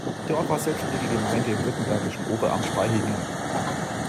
Der Ort war selbstständige Gemeinde im württembergischen Oberamt Spaichingen.